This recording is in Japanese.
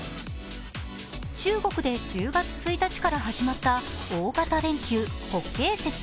中国で１０月１日から始まった大型連休・国慶節。